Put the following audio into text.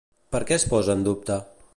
Per què es posa en dubte?